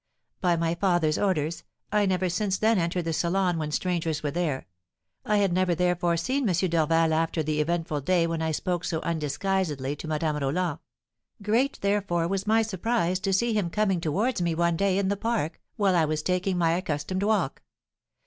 By my father's orders, I never since then entered the salon when strangers were there; I had never, therefore, seen M. Dorval after the eventful day when I spoke so undisguisedly to Madame Roland; great, therefore, was my surprise to see him coming towards me one day, in the park, while I was taking my accustomed walk.